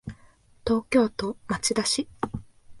東京都町田市